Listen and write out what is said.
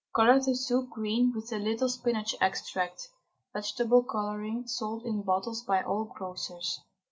Colour the soup green with a little spinach extract (vegetable colouring sold in bottles by all grocers).